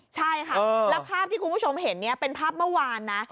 ใช่ค่ะแล้วภาพที่คุณผู้ชมเห็นเนี่ยเป็นภาพเมื่อวานนะ